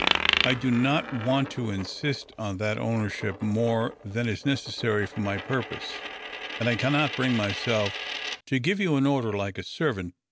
I do not want to insist on that ownership more than is necessary for my purpose, and I cannot bring myself to give you an order like a servant.